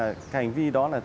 cái hành vi đó là